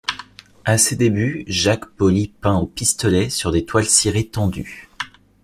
À ses débuts Jacques Poli peint au pistolet sur des toiles cirées tendues.